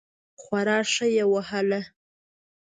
خورا ښه یې وهله.